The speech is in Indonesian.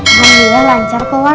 alhamdulillah lancar kok wad